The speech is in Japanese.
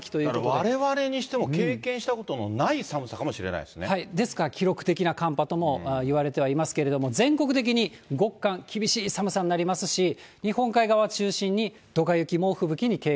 われわれにしても、経験したことのない寒さかもしれないですですから記録的な寒波ともいわれてはいますけれども、全国的に極寒、厳しい寒さになりますし、日本海側中心にどか雪、猛吹雪に警戒。